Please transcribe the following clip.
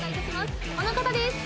この方です。